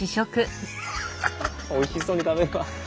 おいしそうに食べるわ。